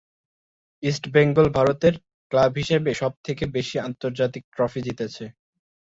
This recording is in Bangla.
ইষ্ট বেঙ্গল ভারতের ক্লাব হিসাবে সব থেকে বেশি আন্তর্জাতিক ট্রফি জিতেছে।